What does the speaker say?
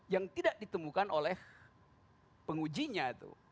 yang tidak ditemukan oleh pengujinya itu